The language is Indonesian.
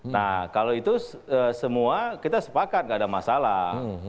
nah kalau itu semua kita sepakat gak ada masalah